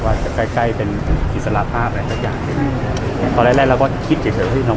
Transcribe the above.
ว่าจะใกล้เป็นอิสระภาพอะไรทุกอย่าง